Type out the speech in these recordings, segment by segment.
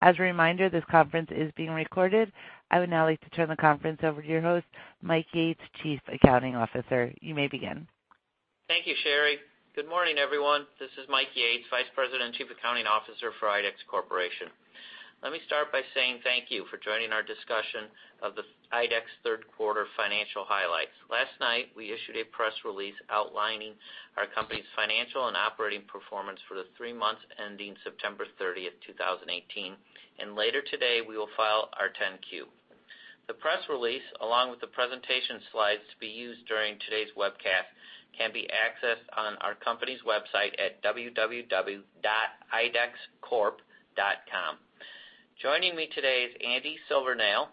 As a reminder, this conference is being recorded. I would now like to turn the conference over to your host, Michael Yates, Chief Accounting Officer. You may begin. Thank you, Sherry. Good morning, everyone. This is Mike Yates, Vice President and Chief Accounting Officer for IDEX Corporation. Let me start by saying thank you for joining our discussion of the IDEX third quarter financial highlights. Last night, we issued a press release outlining our company's financial and operating performance for the three months ending September 30th, 2018. Later today, we will file our 10Q. The press release, along with the presentation slides to be used during today's webcast, can be accessed on our company's website at www.idexcorp.com. Joining me today is Andy Silvernail,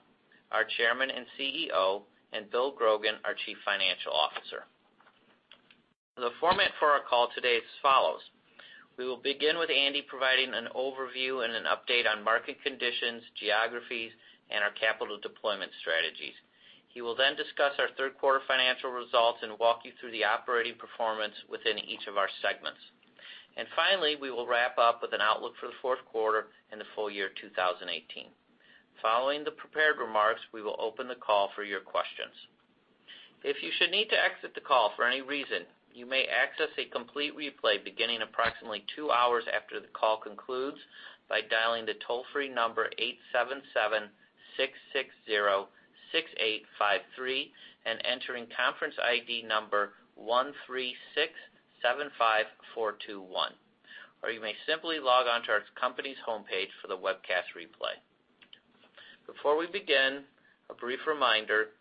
our Chairman and CEO, and Bill Grogan, our Chief Financial Officer. The format for our call today is as follows: We will begin with Andy providing an overview and an update on market conditions, geographies, and our capital deployment strategies. He will then discuss our third quarter financial results and walk you through the operating performance within each of our segments. Finally, we will wrap up with an outlook for the fourth quarter and the full year 2018. Following the prepared remarks, we will open the call for your questions. If you should need to exit the call for any reason, you may access a complete replay beginning approximately two hours after the call concludes by dialing the toll-free number 877-660-6853, and entering conference ID number 13675421, or you may simply log on to our company's homepage for the webcast replay. Before we begin, a brief reminder,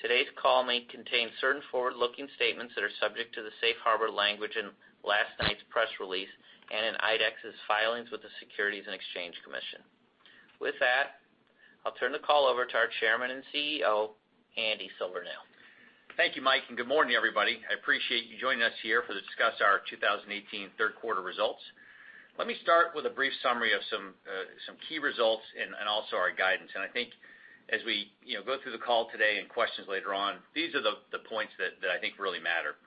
today's call may contain certain forward-looking statements that are subject to the safe harbor language in last night's press release and in IDEX's filings with the Securities and Exchange Commission. With that, I'll turn the call over to our Chairman and CEO, Andy Silvernail. Thank you, Mike, good morning, everybody. I appreciate you joining us here to discuss our 2018 third quarter results. Let me start with a brief summary of some key results and also our guidance. I think as we go through the call today and questions later on, these are the points that I think really matter.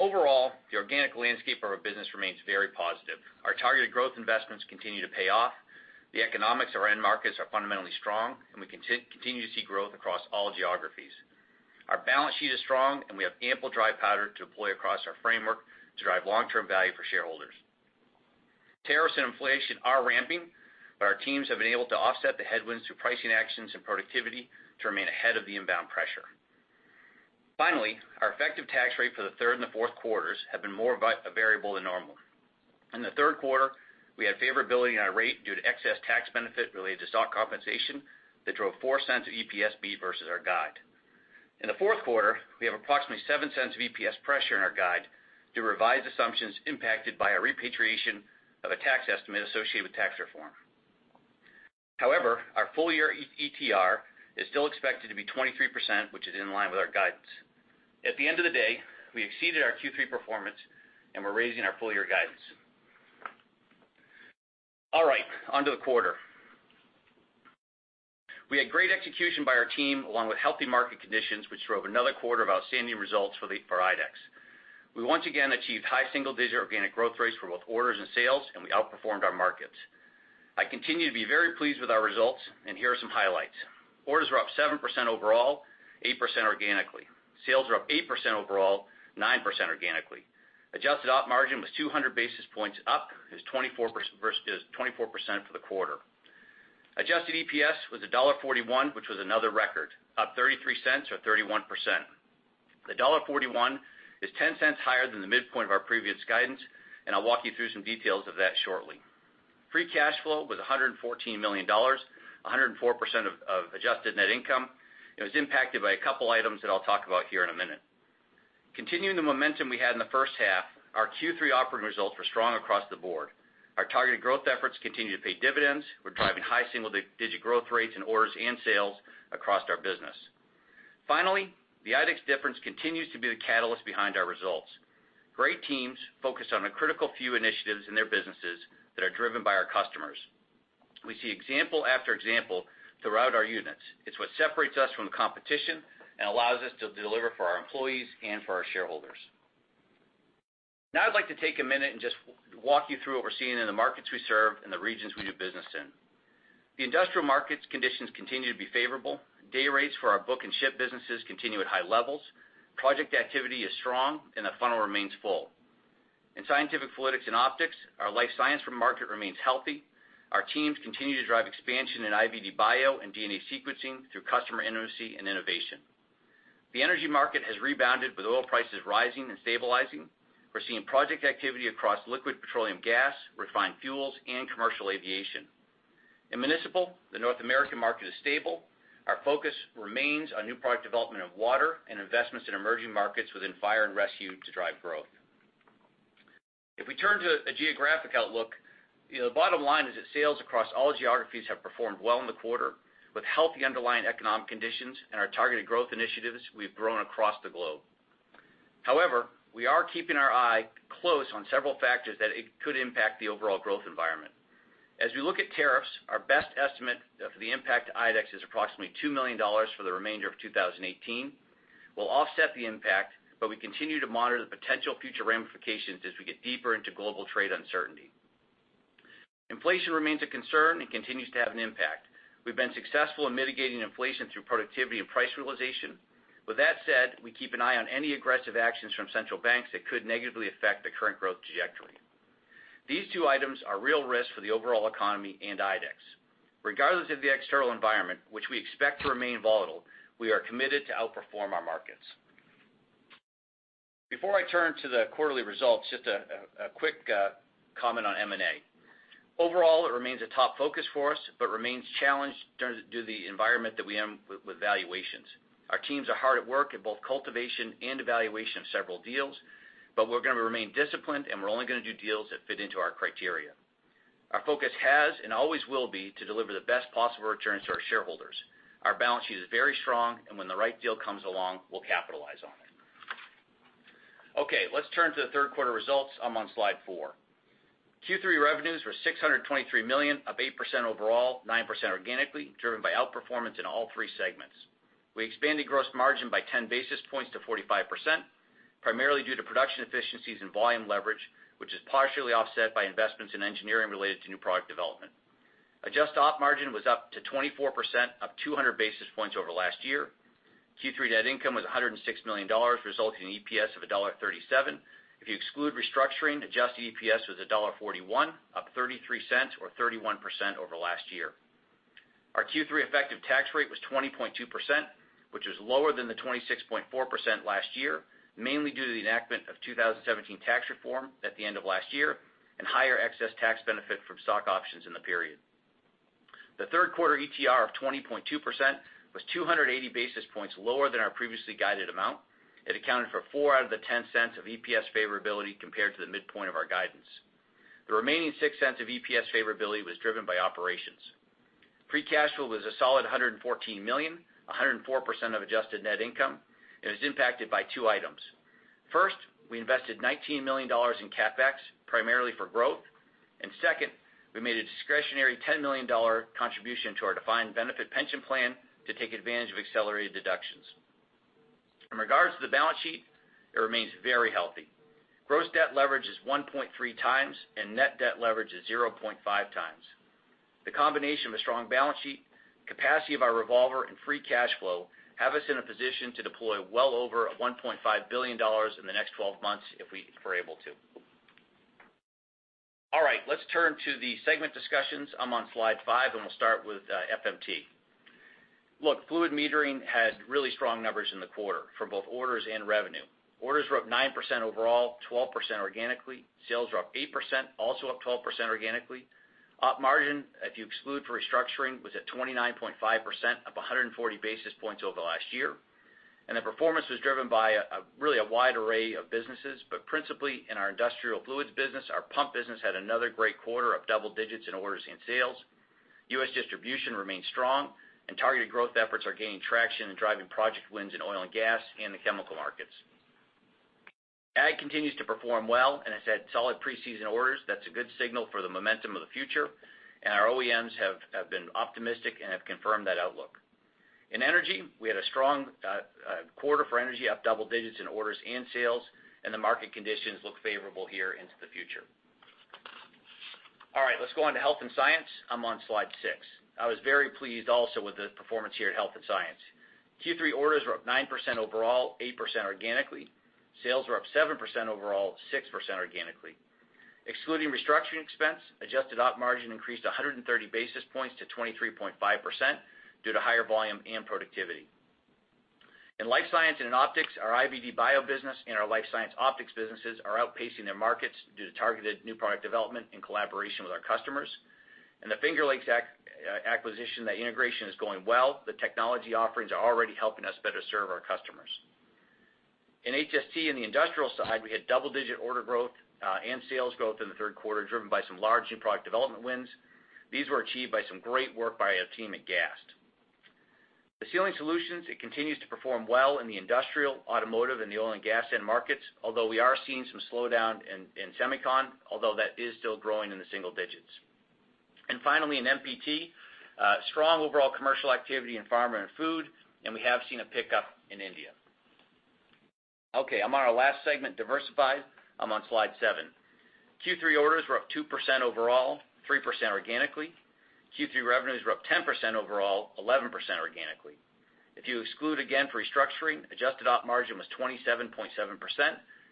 Overall, the organic landscape of our business remains very positive. Our targeted growth investments continue to pay off. The economics of our end markets are fundamentally strong, and we continue to see growth across all geographies. Our balance sheet is strong, and we have ample dry powder to deploy across our framework to drive long-term value for shareholders. Tariffs and inflation are ramping, but our teams have been able to offset the headwinds through pricing actions and productivity to remain ahead of the inbound pressure. Finally, our effective tax rate for the third and fourth quarters have been more variable than normal. In the third quarter, we had favorability in our rate due to excess tax benefit related to stock compensation that drove $0.04 of EPS beat versus our guide. In the fourth quarter, we have approximately $0.07 of EPS pressure in our guide to revise assumptions impacted by a repatriation of a tax estimate associated with tax reform. However, our full-year ETR is still expected to be 23%, which is in line with our guidance. At the end of the day, we exceeded our Q3 performance and we're raising our full-year guidance. All right, on to the quarter. We had great execution by our team, along with healthy market conditions, which drove another quarter of outstanding results for IDEX. We once again achieved high single-digit organic growth rates for both orders and sales, and we outperformed our markets. I continue to be very pleased with our results, here are some highlights. Orders were up 7% overall, 8% organically. Sales were up 8% overall, 9% organically. Adjusted op margin was 200 basis points up. It was 24% for the quarter. Adjusted EPS was $1.41, which was another record, up $0.33 or 31%. The $1.41 is $0.10 higher than the midpoint of our previous guidance, I'll walk you through some details of that shortly. Free cash flow was $114 million, 104% of adjusted net income. It was impacted by a couple items that I'll talk about here in a minute. Continuing the momentum we had in the first half, our Q3 operating results were strong across the board. Our targeted growth efforts continue to pay dividends. We're driving high single-digit growth rates in orders and sales across our business. Finally, the IDEX difference continues to be the catalyst behind our results. Great teams focused on a critical few initiatives in their businesses that are driven by our customers. We see example after example throughout our units. It's what separates us from the competition and allows us to deliver for our employees and for our shareholders. Now I'd like to take a minute and just walk you through what we're seeing in the markets we serve and the regions we do business in. The industrial markets conditions continue to be favorable. Day rates for our book and ship businesses continue at high levels. Project activity is strong, and the funnel remains full. In scientific fluidics and optics, our life science market remains healthy. Our teams continue to drive expansion in IVD bio and DNA sequencing through customer intimacy and innovation. The energy market has rebounded with oil prices rising and stabilizing. We're seeing project activity across liquid petroleum gas, refined fuels, and commercial aviation. In municipal, the North American market is stable. Our focus remains on new product development of water and investments in emerging markets within fire and rescue to drive growth. We turn to a geographic outlook, the bottom line is that sales across all geographies have performed well in the quarter. With healthy underlying economic conditions and our targeted growth initiatives, we've grown across the globe. We are keeping our eye close on several factors that could impact the overall growth environment. We look at tariffs, our best estimate of the impact to IDEX is approximately $2 million for the remainder of 2018. We will offset the impact, we continue to monitor the potential future ramifications as we get deeper into global trade uncertainty. Inflation remains a concern and continues to have an impact. We've been successful in mitigating inflation through productivity and price realization. With that said, we keep an eye on any aggressive actions from central banks that could negatively affect the current growth trajectory. These two items are real risks for the overall economy and IDEX. Regardless of the external environment, which we expect to remain volatile, we are committed to outperform our markets. Before I turn to the quarterly results, just a quick comment on M&A. Overall, it remains a top focus for us, remains challenged due to the environment that we are in with valuations. Our teams are hard at work at both cultivation and evaluation of several deals, we're going to remain disciplined, we're only going to do deals that fit into our criteria. Our focus has and always will be to deliver the best possible returns to our shareholders. Our balance sheet is very strong, when the right deal comes along, we'll capitalize on it. Okay, let's turn to the third quarter results. I'm on slide four. Q3 revenues were $623 million, up 8% overall, 9% organically, driven by outperformance in all three segments. We expanded gross margin by 10 basis points to 45%, primarily due to production efficiencies and volume leverage, which is partially offset by investments in engineering related to new product development. Adjusted op margin was up to 24%, up 200 basis points over last year. Q3 net income was $106 million, resulting in EPS of $1.37. You exclude restructuring, adjusted EPS was $1.41, up $0.33 or 31% over last year. Our Q3 effective tax rate was 20.2%, which was lower than the 26.4% last year, mainly due to the enactment of 2017 tax reform at the end of last year and higher excess tax benefit from stock options in the period. The third quarter ETR of 20.2% was 280 basis points lower than our previously guided amount. It accounted for $0.04 out of the $0.10 of EPS favorability compared to the midpoint of our guidance. The remaining $0.06 of EPS favorability was driven by operations. Free cash flow was a solid $114 million, 104% of adjusted net income. It was impacted by two items. First, we invested $19 million in CapEx, primarily for growth. Second, we made a discretionary $10 million contribution to our defined benefit pension plan to take advantage of accelerated deductions. In regards to the balance sheet, it remains very healthy. Gross debt leverage is 1.3 times, and net debt leverage is 0.5 times. The combination of a strong balance sheet, capacity of our revolver, and free cash flow have us in a position to deploy well over $1.5 billion in the next 12 months if we were able to. All right, let's turn to the segment discussions. I am on slide five, and we will start with FMT. Look, fluid metering had really strong numbers in the quarter for both orders and revenue. Orders were up 9% overall, 12% organically. Sales were up 8%, also up 12% organically. Op margin, if you exclude for restructuring, was at 29.5%, up 140 basis points over last year. The performance was driven by really a wide array of businesses, but principally in our industrial fluids business, our pump business had another great quarter, up double digits in orders and sales. U.S. distribution remains strong and targeted growth efforts are gaining traction and driving project wins in oil and gas and the chemical markets. Ag continues to perform well, and it has had solid pre-season orders. That is a good signal for the momentum of the future. Our OEMs have been optimistic and have confirmed that outlook. In energy, we had a strong quarter for energy, up double digits in orders and sales, and the market conditions look favorable here into the future. All right, let's go on to Health and Science. I am on slide six. I was very pleased also with the performance here at Health and Science. Q3 orders were up 9% overall, 8% organically. Sales were up 7% overall, 6% organically. Excluding restructuring expense, adjusted Op margin increased 130 basis points to 23.5% due to higher volume and productivity. In life science and in optics, our IVD bio business and our life science optics businesses are outpacing their markets due to targeted new product development in collaboration with our customers. In the Finger Lakes acquisition, that integration is going well. The technology offerings are already helping us better serve our customers. In HST, in the industrial side, we had double-digit order growth and sales growth in the third quarter, driven by some large new product development wins. These were achieved by some great work by our team at Gast. The Sealing Solutions, it continues to perform well in the industrial, automotive, and the oil and gas end markets, although we are seeing some slowdown in semicon, although that is still growing in the single digits. Finally, in MPT, strong overall commercial activity in pharma and food, and we have seen a pickup in India. Okay, I am on our last segment, Diversified. I am on slide seven. Q3 orders were up 2% overall, 3% organically. Q3 revenues were up 10% overall, 11% organically. If you exclude again for restructuring, adjusted Op margin was 27.7%,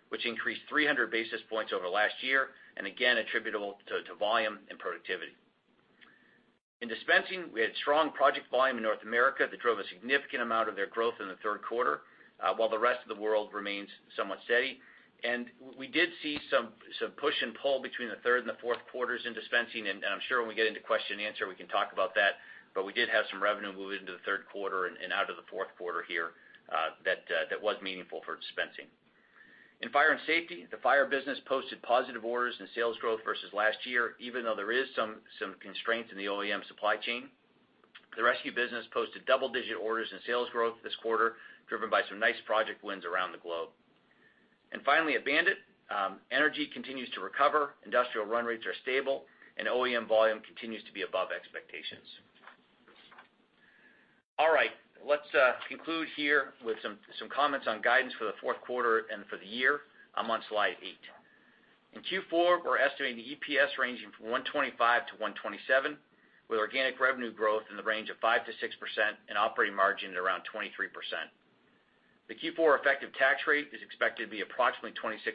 which increased 300 basis points over last year, and again attributable to volume and productivity. In dispensing, we had strong project volume in North America that drove a significant amount of their growth in the third quarter, while the rest of the world remains somewhat steady. We did see some push and pull between the third and the fourth quarters in dispensing, and I'm sure when we get into question and answer, we can talk about that. We did have some revenue move into the third quarter and out of the fourth quarter here that was meaningful for dispensing. In fire and safety, the fire business posted positive orders and sales growth versus last year, even though there is some constraints in the OEM supply chain. The rescue business posted double-digit orders and sales growth this quarter, driven by some nice project wins around the globe. Finally, at BAND-IT, energy continues to recover, industrial run rates are stable, and OEM volume continues to be above expectations. Let's conclude here with some comments on guidance for the fourth quarter and for the year. I'm on slide eight. In Q4, we're estimating the EPS ranging from $1.25-$1.27, with organic revenue growth in the range of 5%-6% and operating margin at around 23%. The Q4 effective tax rate is expected to be approximately 26%,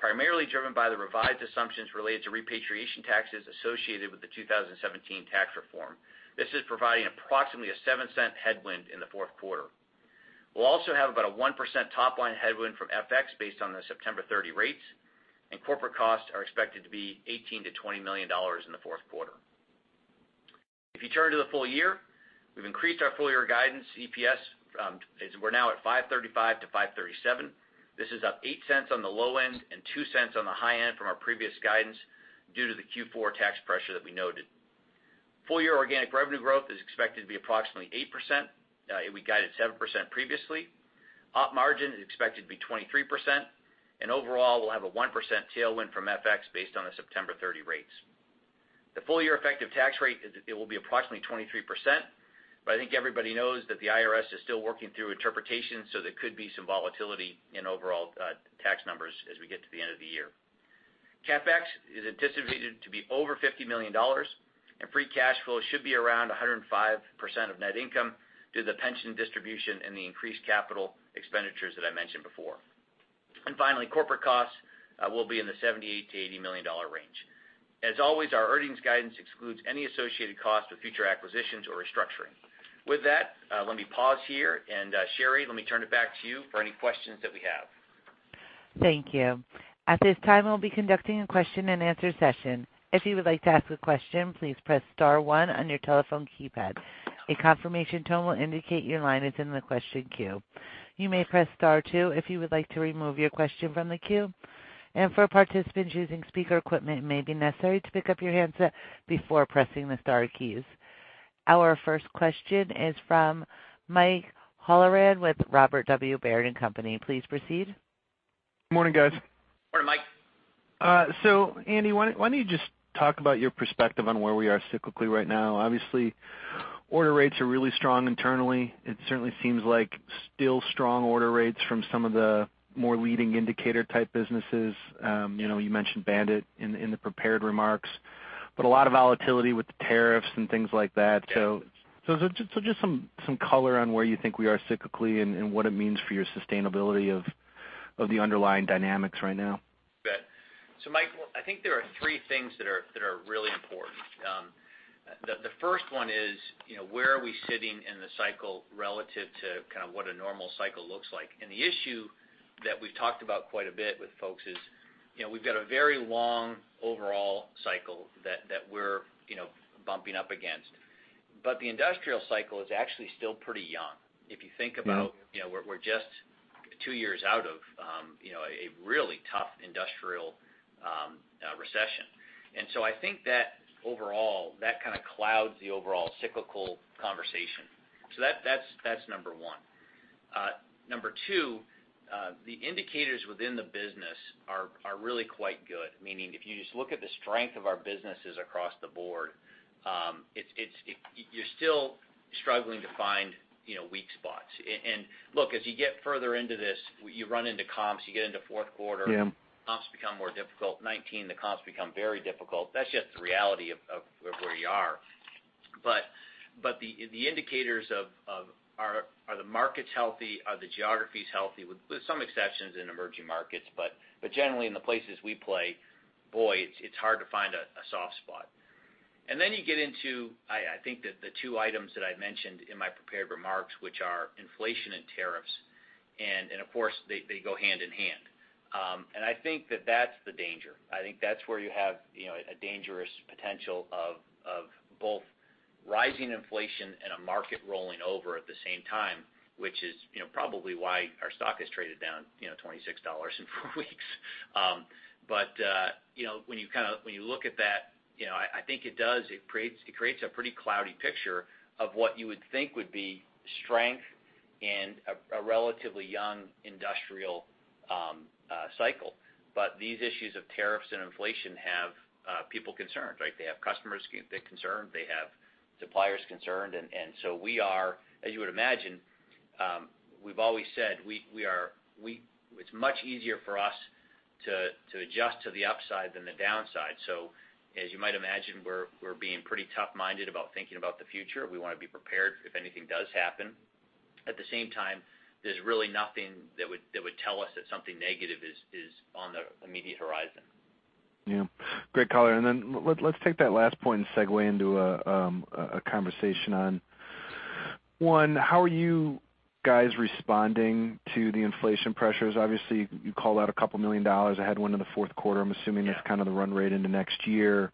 primarily driven by the revised assumptions related to repatriation taxes associated with the 2017 tax reform. This is providing approximately a $0.07 headwind in the fourth quarter. We'll also have about a 1% top-line headwind from FX based on the September 30 rates, and corporate costs are expected to be $18 million-$20 million in the fourth quarter. If you turn to the full year, we've increased our full-year guidance EPS. We're now at $5.35-$5.37. This is up $0.08 on the low end and $0.02 on the high end from our previous guidance due to the Q4 tax pressure that we noted. Full-year organic revenue growth is expected to be approximately 8%. We guided 7% previously. Op margin is expected to be 23%, and overall, we'll have a 1% tailwind from FX based on the September 30 rates. The full-year effective tax rate will be approximately 23%, but I think everybody knows that the IRS is still working through interpretation, so there could be some volatility in overall tax numbers as we get to the end of the year. CapEx is anticipated to be over $50 million, and free cash flow should be around 105% of net income due to the pension distribution and the increased capital expenditures that I mentioned before. Finally, corporate costs will be in the $78 million-$80 million range. As always, our earnings guidance excludes any associated cost with future acquisitions or restructuring. With that, let me pause here, Sherry, let me turn it back to you for any questions that we have. Thank you. At this time, we'll be conducting a question and answer session. If you would like to ask a question, please press star 1 on your telephone keypad. A confirmation tone will indicate your line is in the question queue. You may press star 2 if you would like to remove your question from the queue. For participants using speaker equipment, it may be necessary to pick up your handset before pressing the star keys. Our first question is from Michael Halloran with Robert W. Baird & Co.. Please proceed. Morning, guys. Morning, Mike. Andy, why don't you just talk about your perspective on where we are cyclically right now? Obviously, order rates are really strong internally. It certainly seems like still strong order rates from some of the more leading indicator type businesses. You mentioned BAND-IT in the prepared remarks, a lot of volatility with the tariffs and things like that. Yeah. Just some color on where you think we are cyclically and what it means for your sustainability of the underlying dynamics right now. You bet. Mike, I think there are three things that are really important. The first one is, where are we sitting in the cycle relative to kind of what a normal cycle looks like? The issue that we've talked about quite a bit with folks is we've got a very long overall cycle that we're bumping up against. The industrial cycle is actually still pretty young. If you think about we're just two years out of a really tough industrial recession. I think that overall, that kind of clouds the overall cyclical conversation. That's number one. Number two, the indicators within the business are really quite good. Meaning, if you just look at the strength of our businesses across the board, you're still struggling to find weak spots. Look, as you get further into this, you run into comps, you get into fourth quarter. Yeah comps become more difficult. 2019, the comps become very difficult. That's just the reality of where we are. The indicators of are the markets healthy? Are the geographies healthy? With some exceptions in emerging markets, but generally in the places we play, boy, it's hard to find a soft spot. Then you get into, I think, the two items that I mentioned in my prepared remarks, which are inflation and tariffs. Of course, they go hand in hand. I think that that's the danger. I think that's where you have a dangerous potential of both rising inflation and a market rolling over at the same time, which is probably why our stock has traded down $26 in four weeks. When you look at that, I think it creates a pretty cloudy picture of what you would think would be strength in a relatively young industrial cycle. These issues of tariffs and inflation have people concerned. They have customers concerned. They have suppliers concerned. We are, as you would imagine, we've always said it's much easier for us to adjust to the upside than the downside. As you might imagine, we're being pretty tough-minded about thinking about the future. We want to be prepared if anything does happen. At the same time, there's really nothing that would tell us that something negative is on the immediate horizon. Yeah. Great color. Let's take that last point and segue into a conversation on, 1, how are you guys responding to the inflation pressures? Obviously, you called out a couple million USD. I had $1 million in the fourth quarter. I'm assuming that's kind of the run rate into next year.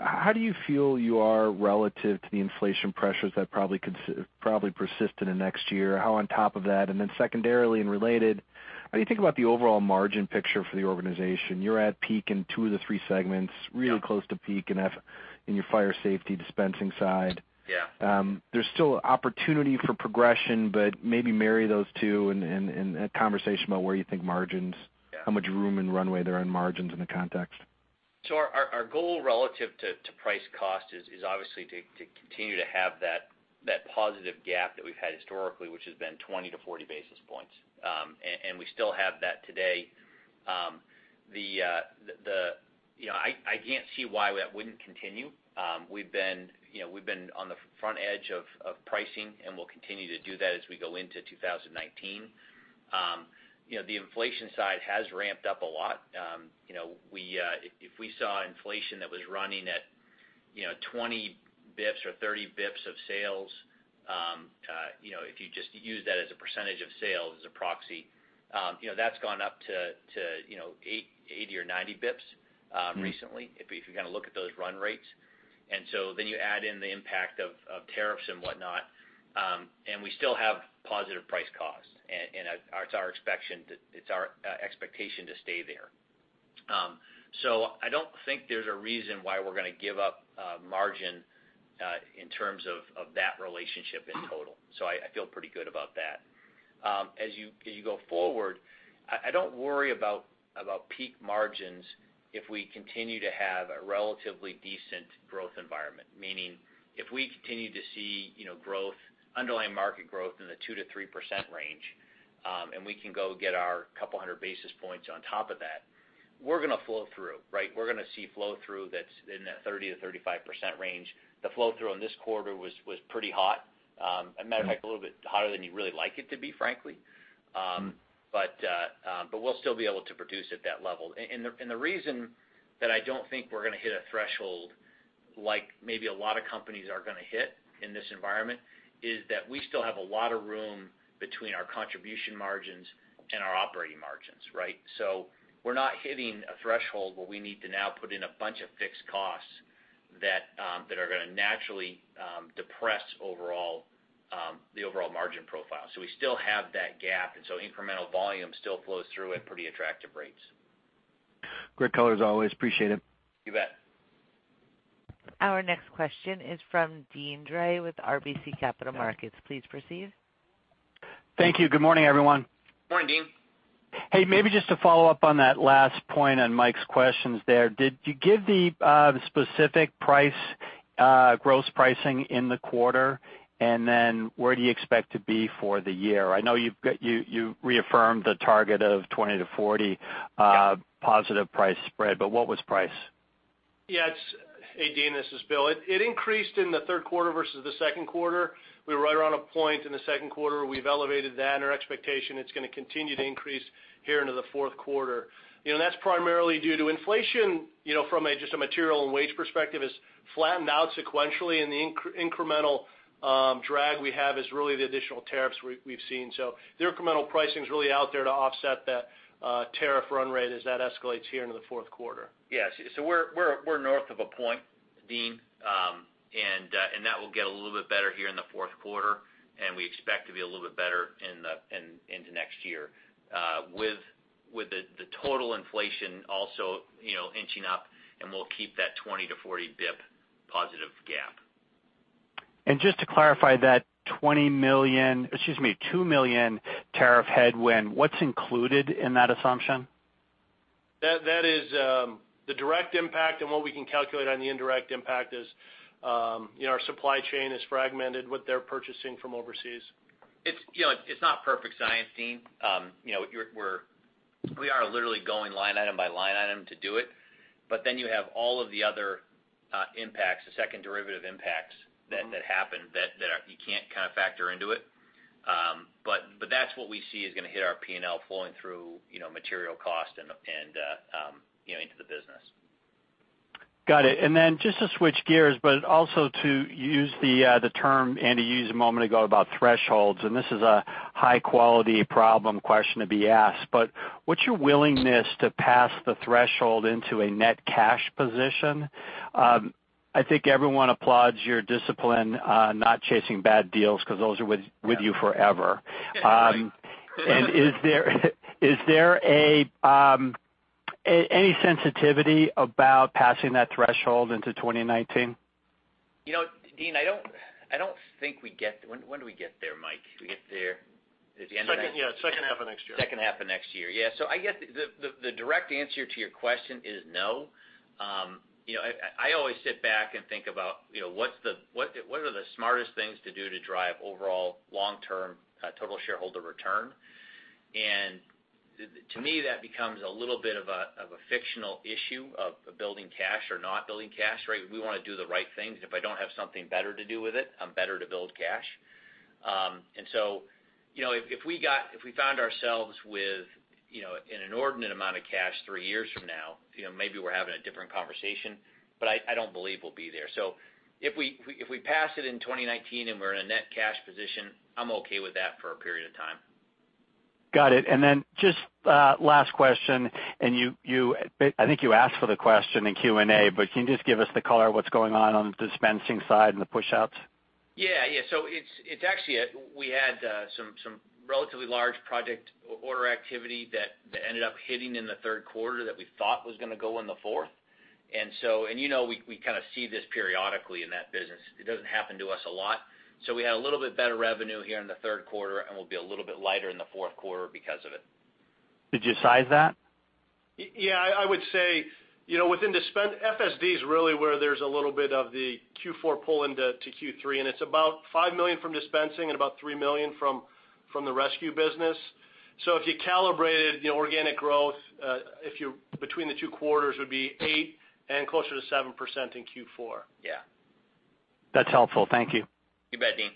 How do you feel you are relative to the inflation pressures that probably persist into next year? How on top of that? Secondarily and related, how do you think about the overall margin picture for the organization? You're at peak in two of the three segments- Yeah really close to peak in your Fire Safety Dispensing side. Yeah. There's still opportunity for progression, maybe marry those two in a conversation about where you think margins- Yeah how much room and runway there are in margins in the context. Our goal relative to price cost is obviously to continue to have that positive gap that we've had historically, which has been 20 to 40 basis points. We still have that today. I can't see why that wouldn't continue. We've been on the front edge of pricing, and we'll continue to do that as we go into 2019. The inflation side has ramped up a lot. If we saw inflation that was running at 20 bips or 30 bips of sales, if you just use that as a percentage of sales, as a proxy, that's gone up to 80 or 90 bips recently, if you look at those run rates. Then you add in the impact of tariffs and whatnot, and we still have positive price costs. It's our expectation to stay there. I don't think there's a reason why we're going to give up margin in terms of that relationship in total. I feel pretty good about that. As you go forward, I don't worry about peak margins if we continue to have a relatively decent growth environment. Meaning, if we continue to see underlying market growth in the 2%-3% range, and we can go get our couple hundred basis points on top of that, we're going to flow through, right? We're going to see flow-through that's in that 30%-35% range. The flow-through in this quarter was pretty hot. A matter of fact, a little bit hotter than you'd really like it to be, frankly. We'll still be able to produce at that level. The reason that I don't think we're going to hit a threshold, like maybe a lot of companies are going to hit in this environment, is that we still have a lot of room between our contribution margins and our operating margins, right? We're not hitting a threshold where we need to now put in a bunch of fixed costs that are going to naturally depress the overall margin profile. We still have that gap, and so incremental volume still flows through at pretty attractive rates. Great colors always. Appreciate it. You bet. Our next question is from Deane Dray with RBC Capital Markets. Please proceed. Thank you. Good morning, everyone. Morning, Deane. Hey, maybe just to follow up on that last point on Mike's questions there. Did you give the specific price gross pricing in the quarter? Then where do you expect to be for the year? I know you reaffirmed the target of 20-40 positive price spread, but what was price? Yes. Hey, Deane, this is Bill. It increased in the third quarter versus the second quarter. We were right around a point in the second quarter. We've elevated that. Our expectation, it's going to continue to increase here into the fourth quarter. That's primarily due to inflation, from just a material and wage perspective, has flattened out sequentially. The incremental drag we have is really the additional tariffs we've seen. The incremental pricing's really out there to offset that tariff run rate as that escalates here into the fourth quarter. Yeah. We're north of a point, Deane. That will get a little bit better here in the fourth quarter. We expect to be a little bit better into next year. With the total inflation also inching up, we'll keep that 20-40 basis points positive gap. Just to clarify that $20 million, excuse me, $2 million tariff headwind. What's included in that assumption? That is the direct impact, what we can calculate on the indirect impact is our supply chain is fragmented with their purchasing from overseas. It's not perfect science, Deane. We are literally going line item by line item to do it. You have all of the other impacts, the second derivative impacts that happen that you can't factor into it. That's what we see is going to hit our P&L flowing through material cost and into the business. Got it. Just to switch gears, also to use the term Andy used a moment ago about thresholds, this is a high-quality problem question to be asked, what's your willingness to pass the threshold into a net cash position? I think everyone applauds your discipline not chasing bad deals because those are with you forever. Yeah, right. Is there any sensitivity about passing that threshold into 2019? Deane, I don't think When do we get there, Mike? Do we get there at the end of next? Yeah, second half of next year. Second half of next year. Yeah. I guess the direct answer to your question is no. I always sit back and think about what are the smartest things to do to drive overall long-term total shareholder return. To me, that becomes a little bit of a fictional issue of building cash or not building cash, right? We want to do the right things. If I don't have something better to do with it, I'm better to build cash. If we found ourselves with an inordinate amount of cash three years from now, maybe we're having a different conversation, but I don't believe we'll be there. If we pass it in 2019 and we're in a net cash position, I'm okay with that for a period of time. Got it. Just last question, I think you asked for the question in Q&A, but can you just give us the color of what's going on on the dispensing side and the push-outs? Yeah. Actually, we had some relatively large project order activity that ended up hitting in the third quarter that we thought was going to go in the fourth. We see this periodically in that business. It doesn't happen to us a lot. We had a little bit better revenue here in the third quarter, and we'll be a little bit lighter in the fourth quarter because of it. Did you size that? Yeah. I would say FSD is really where there's a little bit of the Q4 pull into Q3, it's about $5 million from dispensing and about $3 million from the rescue business. If you calibrated the organic growth, between the two quarters would be eight and closer to 7% in Q4. Yeah. That's helpful. Thank you. You bet, Deane.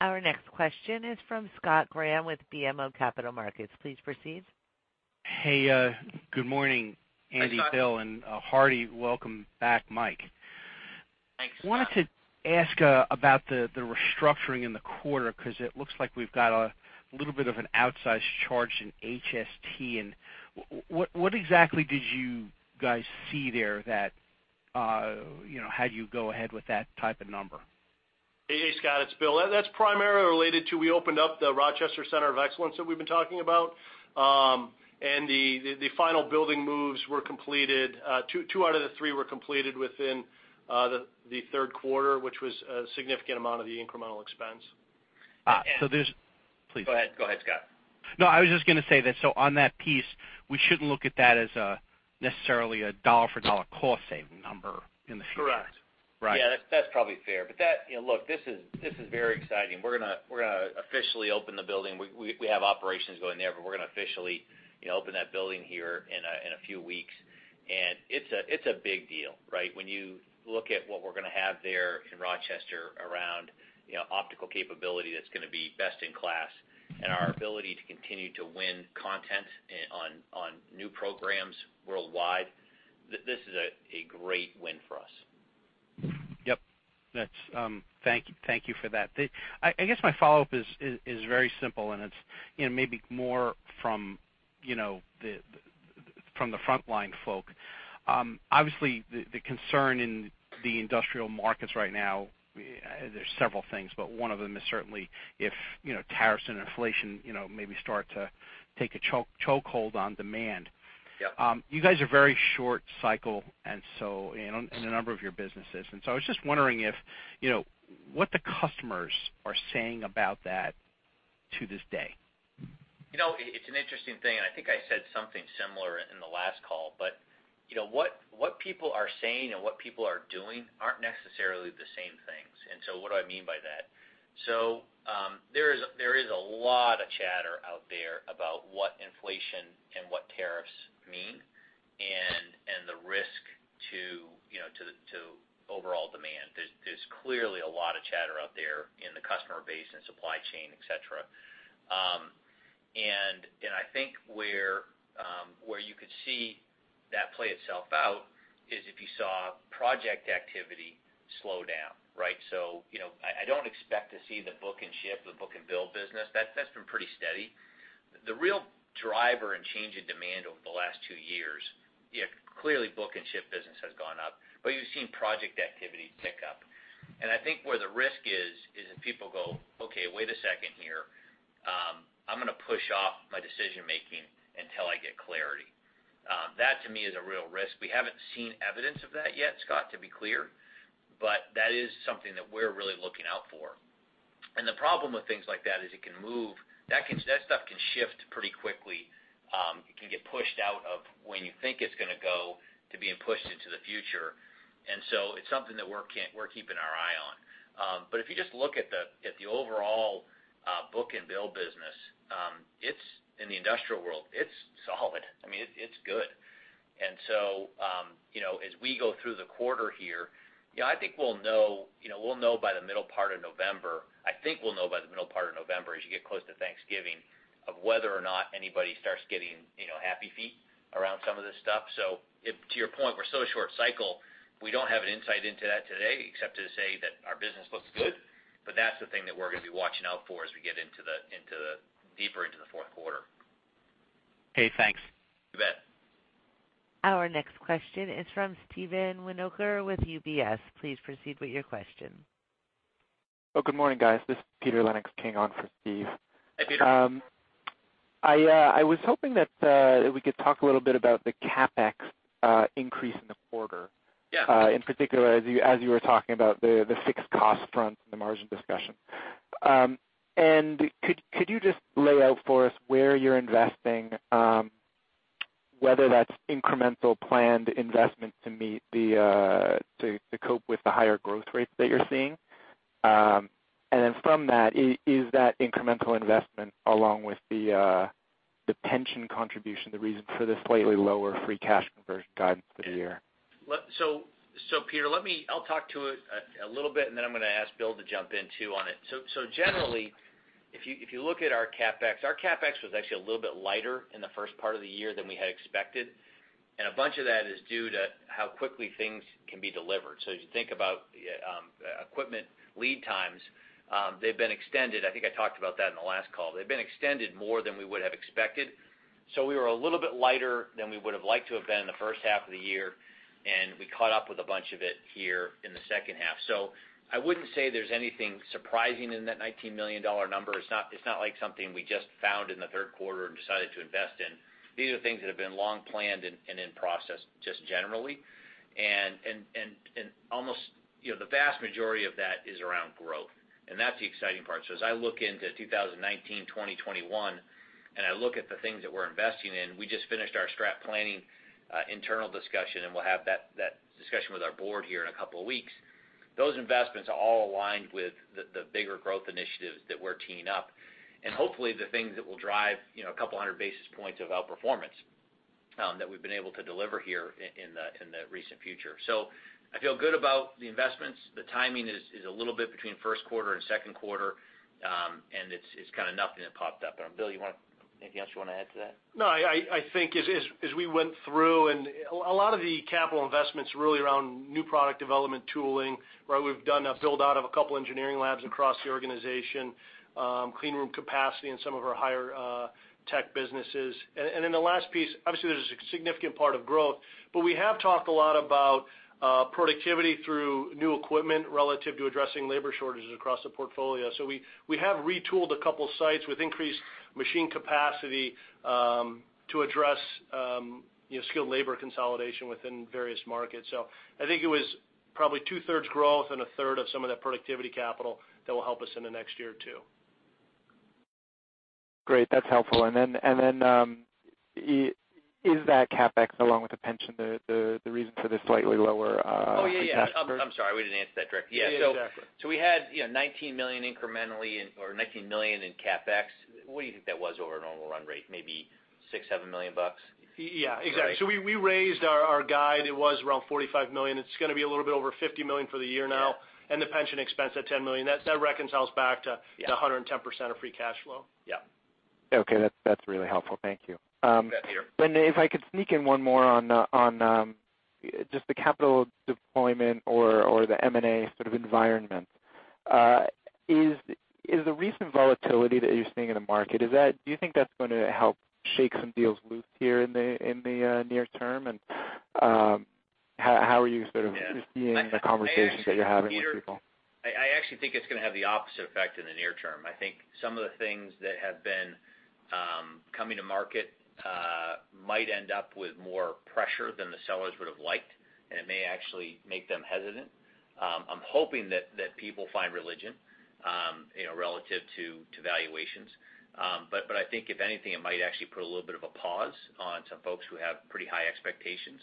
Our next question is from Scott Graham with BMO Capital Markets. Please proceed. Hey, good morning. Hi, Scott. Andy, Bill, and a hearty welcome back, Mike. Thanks, Scott. Wanted to ask about the restructuring in the quarter, because it looks like we've got a little bit of an outsized charge in HST. What exactly did you guys see there that had you go ahead with that type of number? Hey, Scott, it's Bill. That's primarily related to, we opened up the Rochester Center of Excellence that we've been talking about. The final building moves, two out of the three were completed within the third quarter, which was a significant amount of the incremental expense. Please. Go ahead, Scott. No, I was just going to say that, so on that piece, we shouldn't look at that as necessarily a dollar for dollar cost saving number in the future. Correct. Right. Yeah, that's probably fair. Look, this is very exciting. We're going to officially open the building. We have operations going there, but we're going to officially open that building here in a few weeks. It's a big deal, right? When you look at what we're going to have there in Rochester around optical capability that's going to be best in class, and our ability to continue to win content on new programs worldwide, this is a great win for us. Yep. Thank you for that. I guess my follow-up is very simple. It's maybe more from the frontline folk. Obviously, the concern in the industrial markets right now, there's several things, one of them is certainly if tariffs and inflation maybe start to take a chokehold on demand. Yep. You guys are very short cycle in a number of your businesses. I was just wondering what the customers are saying about that to this day. It's an interesting thing, and I think I said something similar in the last call, but what people are saying and what people are doing aren't necessarily the same things. What do I mean by that? There is a lot of chatter out there about what inflation and what tariffs mean and the risk to overall demand. There's clearly a lot of chatter out there in the customer base and supply chain, et cetera. I think where you could see that play itself out is if you saw project activity slow down, right? I don't expect to see the book and ship, the book and bill business. That's been pretty steady. The real driver and change in demand over the last two years, clearly book and ship business has gone up, but you've seen project activity pick up. I think where the risk is if people go, "Okay, wait a second here. I'm going to push off my decision-making until I get clarity." That to me is a real risk. We haven't seen evidence of that yet, Scott, to be clear, but that is something that we're really looking out for. The problem with things like that is it can move. That stuff can shift pretty quickly. It can get pushed out of when you think it's going to go, to being pushed into the future. It's something that we're keeping our eye on. If you just look at the overall book and bill business, in the industrial world, it's solid. I mean, it's good. As we go through the quarter here, I think we'll know by the middle part of November. I think we'll know by the middle part of November, as you get close to Thanksgiving, of whether or not anybody starts getting happy feet around some of this stuff. To your point, we're so short cycle, we don't have an insight into that today except to say that our business looks good. That's the thing that we're going to be watching out for as we get deeper into the fourth quarter. Okay, thanks. You bet. Our next question is from Steven Winoker with UBS. Please proceed with your question. Good morning, guys. This is Peter Lennox-King coming on for Steve. Hi, Peter. I was hoping that we could talk a little bit about the CapEx increase in the quarter. Yeah. In particular, as you were talking about the fixed cost front in the margin discussion. Could you just lay out for us where you're investing, whether that's incremental planned investment to cope with the higher growth rates that you're seeing? Then from that, is that incremental investment along with the pension contribution the reason for the slightly lower free cash conversion guidance for the year? Peter, I'll talk to it a little bit, then I'm going to ask Bill to jump in too on it. Generally, if you look at our CapEx, our CapEx was actually a little bit lighter in the first part of the year than we had expected, and a bunch of that is due to how quickly things can be delivered. As you think about equipment lead times, they've been extended. I think I talked about that in the last call. They've been extended more than we would have expected. We were a little bit lighter than we would've liked to have been in the first half of the year, and we caught up with a bunch of it here in the second half. I wouldn't say there's anything surprising in that $19 million number. It's not like something we just found in the third quarter and decided to invest in. These are things that have been long planned and in process just generally. Almost the vast majority of that is around growth, and that's the exciting part. As I look into 2019, 2021, and I look at the things that we're investing in, we just finished our strategic planning internal discussion, and we'll have that discussion with our board here in a couple of weeks. Those investments are all aligned with the bigger growth initiatives that we're teeing up. Hopefully the things that will drive 200 basis points of outperformance that we've been able to deliver here in the recent future. I feel good about the investments. The timing is a little bit between first quarter and second quarter. It's kind of nothing that popped up. Bill, anything else you want to add to that? No, I think as we went through, and a lot of the capital investment's really around new product development tooling, where we've done a build-out of a couple engineering labs across the organization, clean room capacity in some of our higher tech businesses. The last piece, obviously, there's a significant part of growth, but we have talked a lot about productivity through new equipment relative to addressing labor shortages across the portfolio. We have retooled a couple sites with increased machine capacity to address skilled labor consolidation within various markets. I think it was probably two-thirds growth and a third of some of that productivity capital that will help us in the next year or two. Great. That's helpful. Is that CapEx along with the pension, the reason for the slightly lower- Oh, yeah. -cash number? I'm sorry, we didn't answer that directly. Yeah, exactly. We had $19 million incrementally or $19 million in CapEx. What do you think that was over a normal run rate? Maybe $6 million, $7 million? Yeah, exactly. We raised our guide. It was around $45 million. It's going to be a little bit over $50 million for the year now. The pension expense at $10 million. That reconciles back to 110% of free cash flow. Yeah. Okay, that's really helpful. Thank you. You bet, Peter. If I could sneak in one more on just the capital deployment or the M&A sort of environment. Is the recent volatility that you're seeing in the market, do you think that's going to help shake some deals loose here in the near term? How are you sort of seeing the conversations that you're having with people? I actually think it's going to have the opposite effect in the near term. I think some of the things that have been coming to market might end up with more pressure than the sellers would've liked, and it may actually make them hesitant. I'm hoping that people find religion relative to valuations. I think if anything, it might actually put a little bit of a pause on some folks who have pretty high expectations.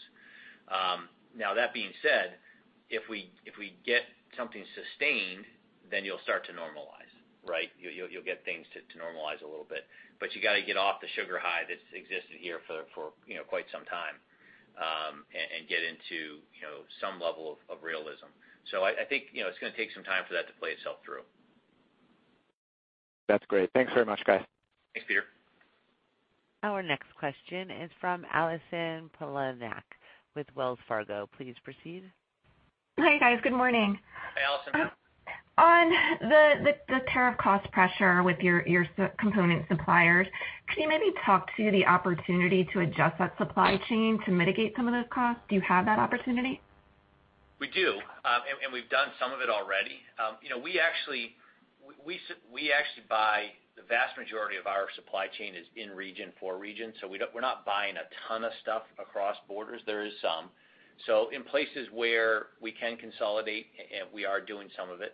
That being said, if we get something sustained, then you'll start to normalize. You'll get things to normalize a little bit. You got to get off the sugar high that's existed here for quite some time, and get into some level of realism. I think it's going to take some time for that to play itself through. That's great. Thanks very much, guys. Thanks, Peter. Our next question is from Allison Poliniak-Cusic with Wells Fargo. Please proceed. Hi, guys. Good morning. Hi, Allison. On the tariff cost pressure with your component suppliers, could you maybe talk to the opportunity to adjust that supply chain to mitigate some of those costs? Do you have that opportunity? We do. We've done some of it already. We actually buy the vast majority of our supply chain is in region, for region. We're not buying a ton of stuff across borders. There is some. In places where we can consolidate, and we are doing some of it.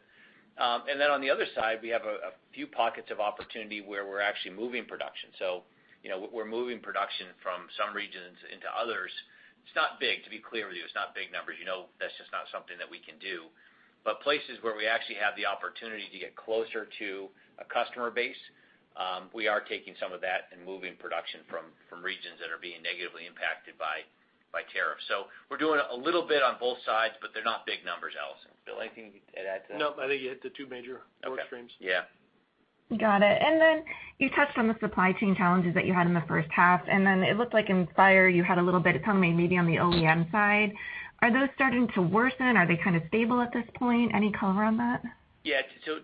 Then on the other side, we have a few pockets of opportunity where we're actually moving production. We're moving production from some regions into others. It's not big to be clear with you, it's not big numbers. You know that's just not something that we can do. Places where we actually have the opportunity to get closer to a customer base, we are taking some of that and moving production from regions that are being negatively impacted by tariffs. We're doing a little bit on both sides, but they're not big numbers, Allison. Bill, anything you could add to that? No, I think you hit the two major work streams. Yeah. Got it. You touched on the supply chain challenges that you had in the first half, then it looked like in Fire you had a little bit of autonomy maybe on the OEM side. Are those starting to worsen? Are they kind of stable at this point? Any color on that?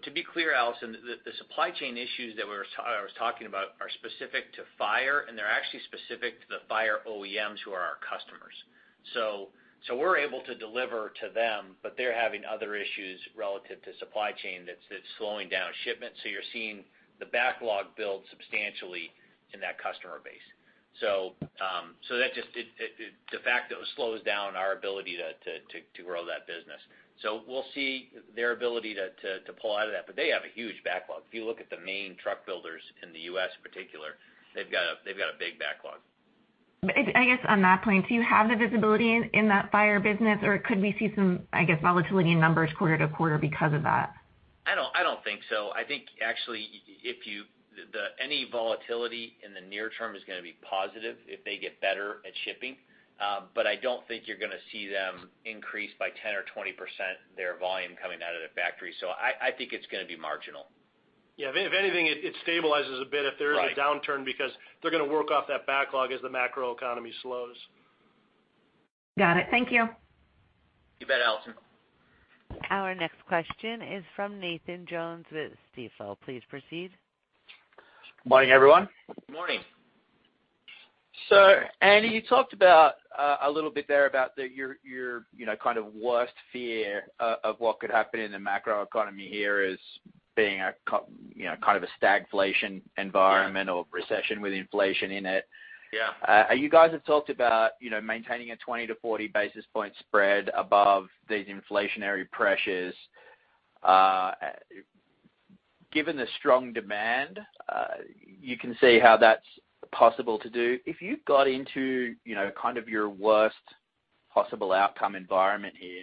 To be clear, Allison, the supply chain issues that I was talking about are specific to Fire, and they're actually specific to the Fire OEMs who are our customers. We're able to deliver to them, but they're having other issues relative to supply chain that's slowing down shipments. You're seeing the backlog build substantially in that customer base. That just, de facto, slows down our ability to grow that business. We'll see their ability to pull out of that. They have a huge backlog. If you look at the main truck builders in the U.S. in particular, they've got a big backlog. I guess on that point, do you have the visibility in that Fire business, or could we see some, I guess, volatility in numbers quarter-to-quarter because of that? I don't think so. I think actually, any volatility in the near term is going to be positive if they get better at shipping. I don't think you're going to see them increase by 10% or 20% their volume coming out of the factory. I think it's going to be marginal. Yeah. If anything, it stabilizes a bit if there is a downturn, because they're going to work off that backlog as the macro economy slows. Got it. Thank you. You bet, Allison. Our next question is from Nathan Jones with Stifel. Please proceed. Morning, everyone. Morning. Andy, you talked about, a little bit there about your kind of worst fear of what could happen in the macro economy here is being a kind of a stagflation environmental recession with inflation in it. Yeah. You guys have talked about maintaining a 20 to 40 basis point spread above these inflationary pressures. Given the strong demand, you can see how that's possible to do. If you got into kind of your worst possible outcome environment here,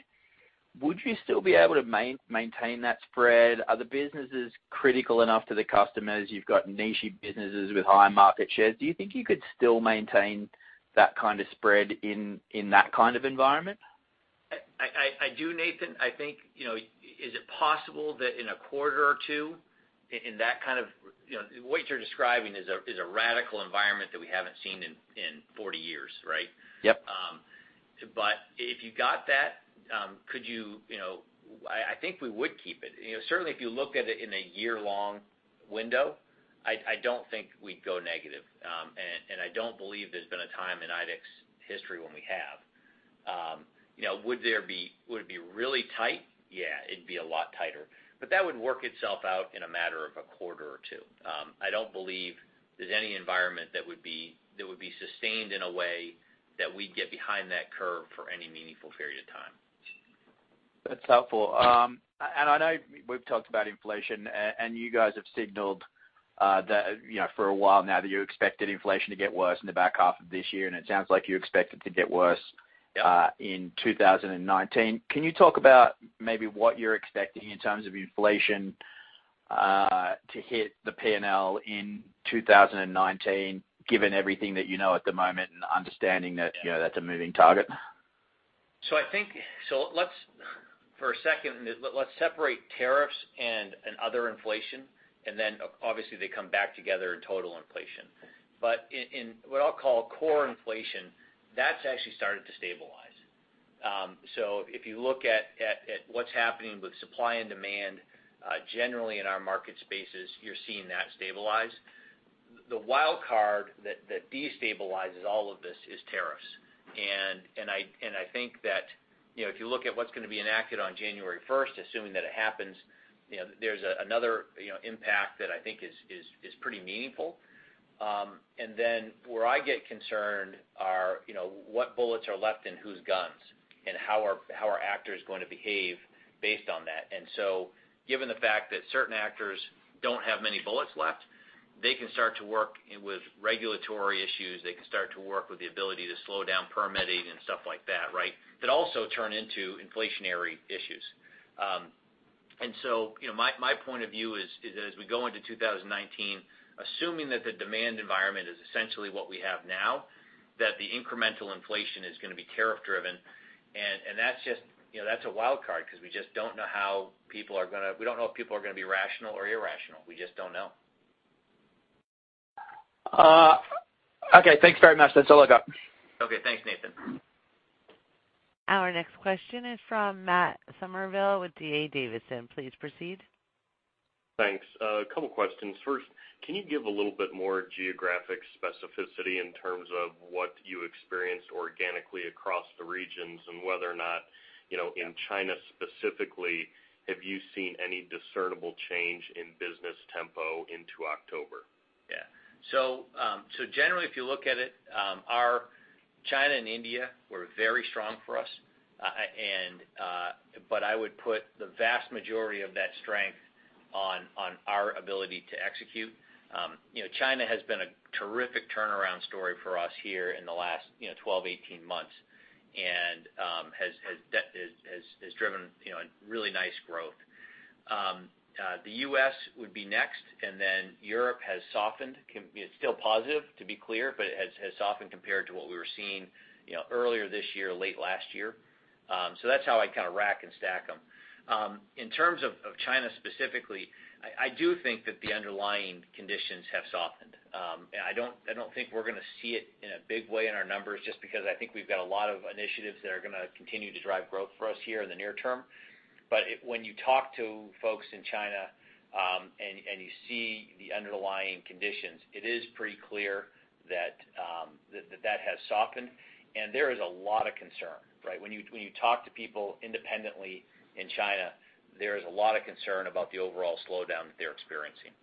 would you still be able to maintain that spread? Are the businesses critical enough to the customers? You've got niche-y businesses with high market shares. Do you think you could still maintain that kind of spread in that kind of environment? I do, Nathan. I think, is it possible that in a quarter or two, What you're describing is a radical environment that we haven't seen in 40 years, right? Yep. If you got that, I think we would keep it. Certainly if you look at it in a year-long window, I don't think we'd go negative. I don't believe there's been a time in IDEX history when we have. Would it be really tight? Yeah, it'd be a lot tighter. That would work itself out in a matter of a quarter or two. I don't believe there's any environment that would be sustained in a way that we'd get behind that curve for any meaningful period of time. That's helpful. I know we've talked about inflation, you guys have signaled that for a while now, that you expected inflation to get worse in the back half of this year, it sounds like you expect it to get worse in 2019. Can you talk about maybe what you're expecting in terms of inflation to hit the P&L in 2019, given everything that you know at the moment and understanding that that's a moving target? I think for a second, let's separate tariffs and other inflation. Obviously they come back together in total inflation. In what I'll call core inflation, that's actually started to stabilize. If you look at what's happening with supply and demand, generally in our market spaces, you're seeing that stabilize. The wild card that destabilizes all of this is tariffs. I think that if you look at what's going to be enacted on January 1st, assuming that it happens, there's another impact that I think is pretty meaningful. Where I get concerned are what bullets are left in whose guns? How are actors going to behave based on that? Given the fact that certain actors don't have many bullets left, they can start to work with regulatory issues. They can start to work with the ability to slow down permitting and stuff like that, right? That also turn into inflationary issues. My point of view is as we go into 2019, assuming that the demand environment is essentially what we have now, that the incremental inflation is going to be tariff driven. That's a wild card because we don't know if people are going to be rational or irrational. We just don't know. Thanks very much. That's all I got. Thanks, Nathan. Our next question is from Matt Summerville with D.A. Davidson. Please proceed. Thanks. A couple questions. First, can you give a little bit more geographic specificity in terms of what you experienced organically across the regions and whether or not, in China specifically, have you seen any discernible change in business tempo into October? Yeah. Generally, if you look at it, China and India were very strong for us. I would put the vast majority of that strength on our ability to execute. China has been a terrific turnaround story for us here in the last 12, 18 months, and has driven a really nice growth. The U.S. would be next, and then Europe has softened. It's still positive, to be clear, but it has softened compared to what we were seeing earlier this year, late last year. That's how I kind of rack and stack them. In terms of China specifically, I do think that the underlying conditions have softened. I don't think we're going to see it in a big way in our numbers just because I think we've got a lot of initiatives that are going to continue to drive growth for us here in the near term. When you talk to folks in China, and you see the underlying conditions, it is pretty clear that that has softened, and there is a lot of concern, right? When you talk to people independently in China, there is a lot of concern about the overall slowdown that they're experiencing.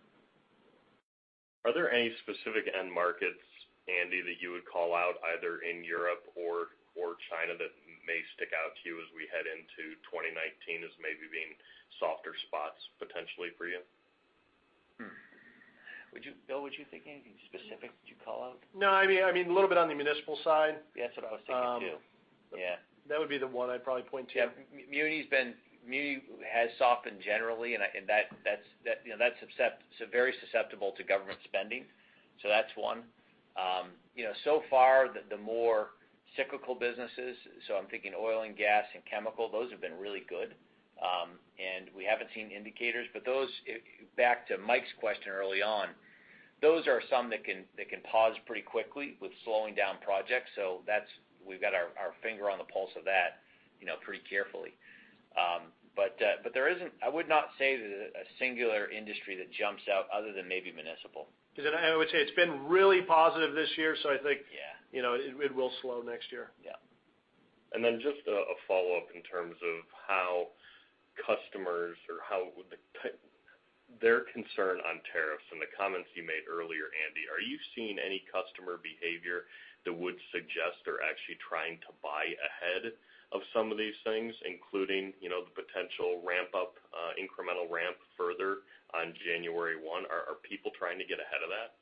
Are there any specific end markets, Andy, that you would call out either in Europe or China that may stick out to you as we head into 2019 as maybe being softer spots potentially for you? Bill, would you think anything specific that you'd call out? No, I mean a little bit on the municipal side. Yeah, that's what I was thinking, too. Yeah. That would be the one I'd probably point to. Yeah. Muni has softened generally. That's very susceptible to government spending. That's one. So far the more cyclical businesses, I'm thinking oil and gas and chemical, those have been really good. We haven't seen indicators, but back to Mike's question early on, those are some that can pause pretty quickly with slowing down projects. We've got our finger on the pulse of that pretty carefully. I would not say that a singular industry that jumps out other than maybe municipal. I would say it's been really positive this year, I think. Yeah It will slow next year. Yeah. Just a follow-up in terms of how customers, or their concern on tariffs and the comments you made earlier, Andy. Are you seeing any customer behavior that would suggest they're actually trying to buy ahead of some of these things, including the potential ramp up, incremental ramp further on January 1? Are people trying to get ahead of that?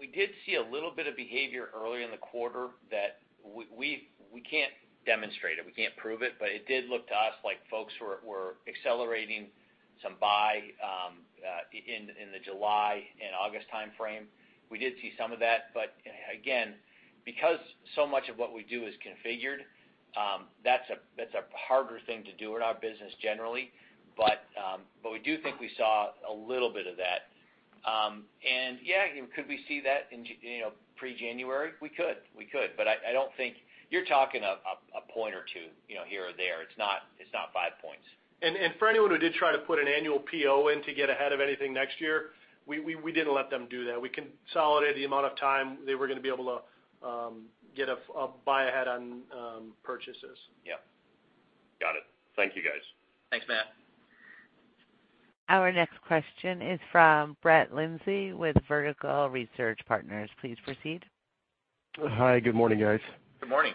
We did see a little bit of behavior earlier in the quarter that we can't demonstrate it, we can't prove it, but it did look to us like folks were accelerating some buy in the July and August timeframe. We did see some of that, but again, because so much of what we do is configured, that's a harder thing to do in our business generally. We do think we saw a little bit of that. Yeah, could we see that in pre-January? We could. I don't think You're talking a point or two, here or there. It's not five points. For anyone who did try to put an annual PO in to get ahead of anything next year, we didn't let them do that. We consolidated the amount of time they were going to be able to get a buy ahead on purchases. Yep. Got it. Thank you, guys. Thanks, Matt. Our next question is from Brett Linzey with Vertical Research Partners. Please proceed. Hi, good morning, guys. Good morning.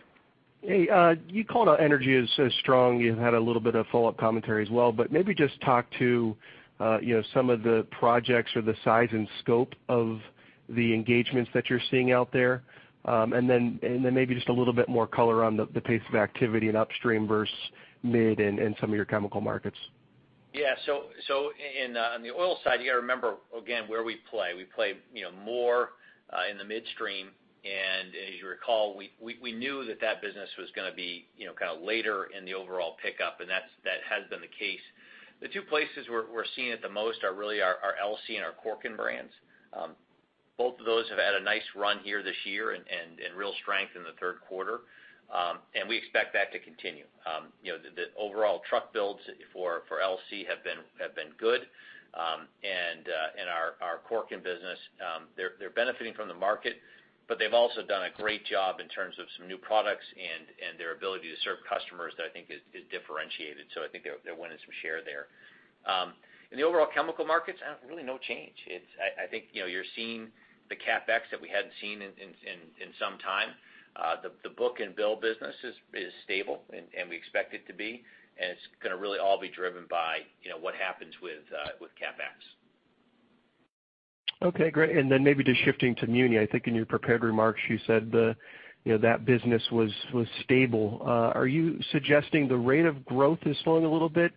Hey, you called out energy as strong. You had a little bit of follow-up commentary as well, maybe just talk to some of the projects or the size and scope of the engagements that you're seeing out there. Then maybe just a little bit more color on the pace of activity in upstream versus mid and some of your chemical markets. Yeah. On the oil side, you got to remember, again, where we play. We play more in the midstream, as you recall, we knew that that business was going to be later in the overall pickup, and that has been the case. The two places we're seeing it the most are really our LC and our Corken brands. Both of those have had a nice run here this year and real strength in the third quarter. We expect that to continue. The overall truck builds for LC have been good. Our Corken business, they're benefiting from the market, they've also done a great job in terms of some new products and their ability to serve customers that I think is differentiated. I think they're winning some share there. In the overall chemical markets, really no change. I think you're seeing the CapEx that we hadn't seen in some time. The book and bill business is stable, we expect it to be. It's going to really all be driven by what happens with CapEx. Okay, great. Maybe just shifting to muni. I think in your prepared remarks, you said that business was stable. Are you suggesting the rate of growth is slowing a little bit,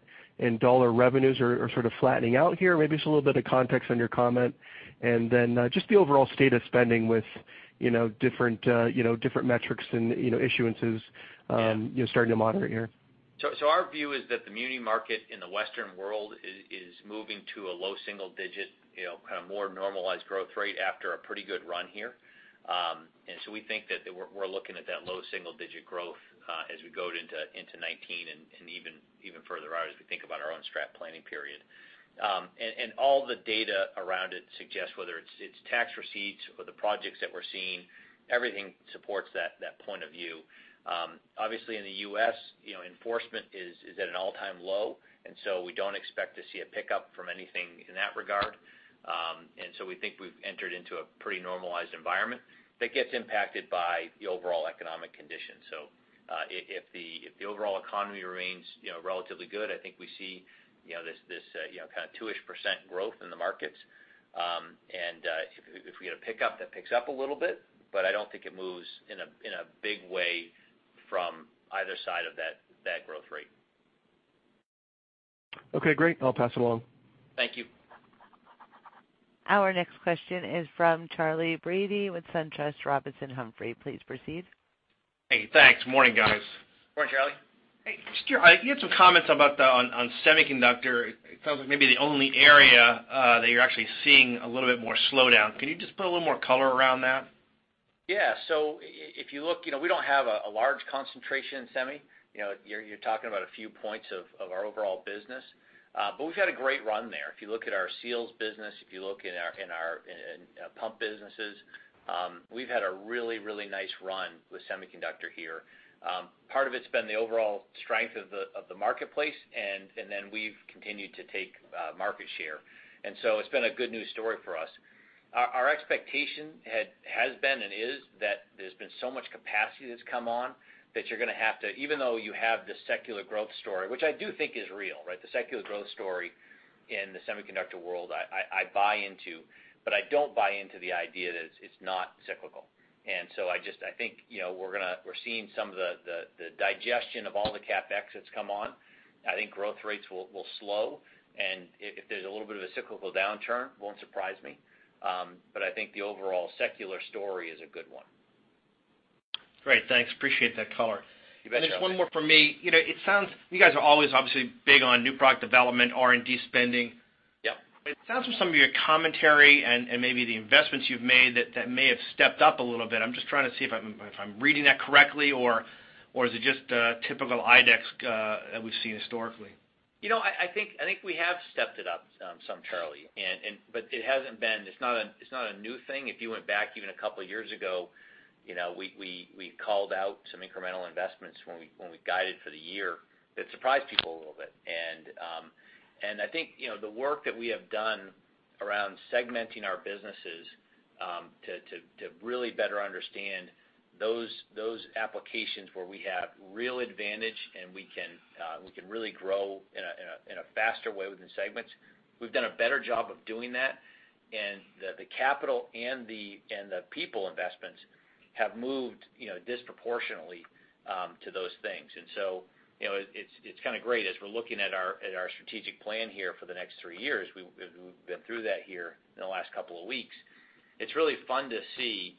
dollar revenues are sort of flattening out here? Maybe just a little bit of context on your comment just the overall state of spending with different metrics and issuances starting to moderate here. Our view is that the muni market in the Western world is moving to a low single-digit, kind of more normalized growth rate after a pretty good run here. We think that we're looking at that low single-digit growth as we go into 2019 and even further out as we think about our own strategic planning period. All the data around it suggests, whether it's tax receipts or the projects that we're seeing, everything supports that point of view. In the U.S., enforcement is at an all-time low, and so we don't expect to see a pickup from anything in that regard. We think we've entered into a pretty normalized environment that gets impacted by the overall economic conditions. If the overall economy remains relatively good, I think we see this kind of 2%-ish growth in the markets. If we get a pickup, that picks up a little bit, but I don't think it moves in a big way from either side of that growth rate. Okay, great. I'll pass it along. Thank you. Our next question is from Charley Brady with SunTrust Robinson Humphrey. Please proceed. Hey, thanks. Morning, guys. Morning, Charley. Hey, just you had some comments about on semiconductor. It sounds like maybe the only area that you're actually seeing a little bit more slowdown. Can you just put a little more color around that? If you look, we don't have a large concentration in semi. You're talking about a few points of our overall business. We've had a great run there. If you look at our seals business, if you look in our pump businesses, we've had a really nice run with semiconductor here. Part of it's been the overall strength of the marketplace, then we've continued to take market share. It's been a good news story for us. Our expectation has been and is that there's been so much capacity that's come on that you're going to have to, even though you have this secular growth story, which I do think is real, right? The secular growth story in the semiconductor world, I buy into, I don't buy into the idea that it's not cyclical. I think we're seeing some of the digestion of all the CapEx that's come on. I think growth rates will slow, and if there's a little bit of a cyclical downturn, won't surprise me. I think the overall secular story is a good one. Great. Thanks. Appreciate that color. You bet, Charley. Just one more from me. You guys are always obviously big on new product development, R&D spending. Yep. It sounds from some of your commentary and maybe the investments you've made that that may have stepped up a little bit. I'm just trying to see if I'm reading that correctly or is it just typical IDEX that we've seen historically? I think we have stepped it up some, Charley. It's not a new thing. If you went back even a couple of years ago, we called out some incremental investments when we guided for the year that surprised people a little bit. I think the work that we have done around segmenting our businesses to really better understand those applications where we have real advantage and we can really grow in a faster way within segments, we've done a better job of doing that. The capital and the people investments have moved disproportionately to those things. It's kind of great as we're looking at our strategic planning here for the next three years, we've been through that here in the last couple of weeks. It's really fun to see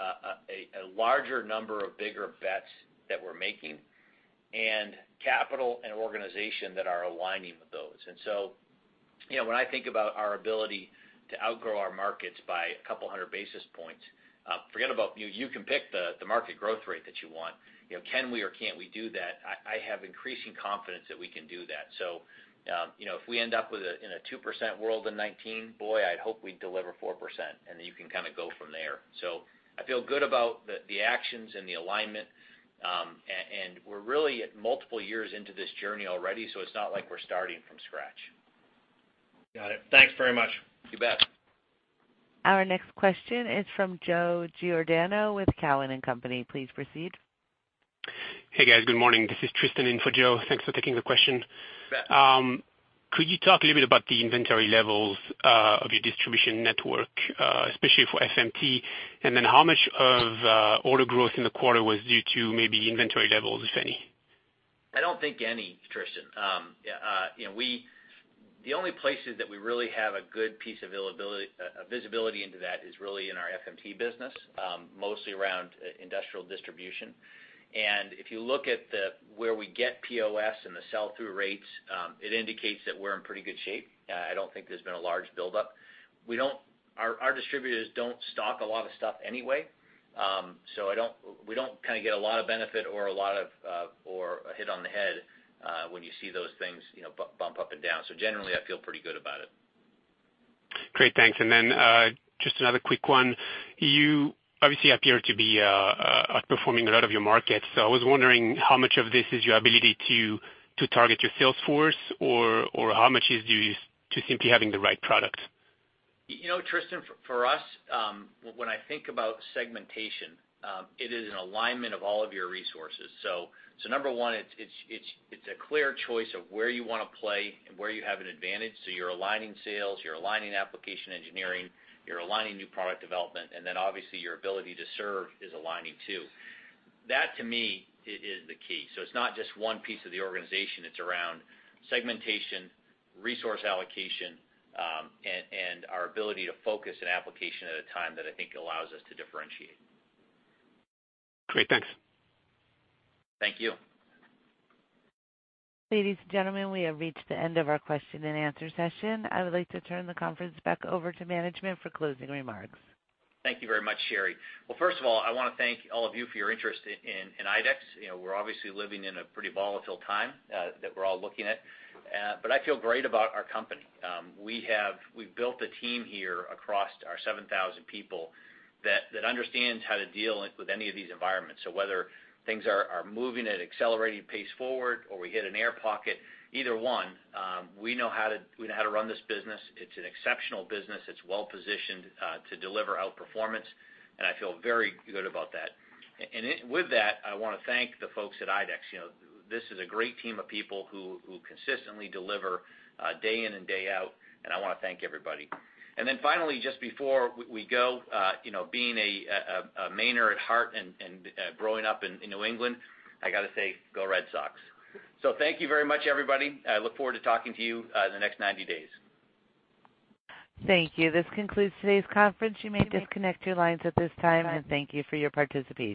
a larger number of bigger bets that we're making, and capital and organization that are aligning with those. When I think about our ability to outgrow our markets by a couple of hundred basis points, forget about you can pick the market growth rate that you want. Can we or can't we do that? I have increasing confidence that we can do that. If we end up in a 2% world in 2019, boy, I'd hope we deliver 4%, you can kind of go from there. I feel good about the actions and the alignment. We're really multiple years into this journey already, so it's not like we're starting from scratch. Got it. Thanks very much. You bet. Our next question is from Joseph Giordano with Cowen and Company. Please proceed. Hey, guys. Good morning. This is Tristan in for Joe. Thanks for taking the question. You bet. Could you talk a little bit about the inventory levels of your distribution network, especially for FMT? How much of order growth in the quarter was due to maybe inventory levels, if any? I don't think any, Tristan. The only places that we really have a good piece of visibility into that is really in our FMT business, mostly around industrial distribution. If you look at where we get POS and the sell-through rates, it indicates that we're in pretty good shape. I don't think there's been a large buildup. Our distributors don't stock a lot of stuff anyway. We don't kind of get a lot of benefit or a hit on the head when you see those things bump up and down. Generally, I feel pretty good about it. Great. Thanks. Just another quick one. You obviously appear to be outperforming a lot of your markets. I was wondering how much of this is your ability to target your sales force or how much is due to simply having the right product? Tristan, for us, when I think about segmentation, it is an alignment of all of your resources. Number one, it's a clear choice of where you want to play and where you have an advantage. You're aligning sales, you're aligning application engineering, you're aligning new product development, and then obviously your ability to serve is aligning, too. That to me is the key. It's not just one piece of the organization, it's around segmentation, resource allocation, and our ability to focus an application at a time that I think allows us to differentiate. Great. Thanks. Thank you. Ladies and gentlemen, we have reached the end of our question and answer session. I would like to turn the conference back over to management for closing remarks. Thank you very much, Sherry. First of all, I want to thank all of you for your interest in IDEX. We're obviously living in a pretty volatile time that we're all looking at. I feel great about our company. We've built a team here across our 7,000 people that understands how to deal with any of these environments. Whether things are moving at an accelerated pace forward or we hit an air pocket, either one, we know how to run this business. It's an exceptional business. It's well-positioned to deliver outperformance, and I feel very good about that. With that, I want to thank the folks at IDEX. This is a great team of people who consistently deliver day in and day out, and I want to thank everybody. Finally, just before we go, being a Mainer at heart and growing up in New England, I got to say, go Red Sox. Thank you very much, everybody. I look forward to talking to you in the next 90 days. Thank you. This concludes today's conference. You may disconnect your lines at this time, thank you for your participation.